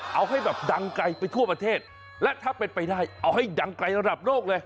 เอาให้แบบดังไกลไปทั่วประเทศและถ้าเป็นไปได้เอาให้ดังไกลระดับโลกเลย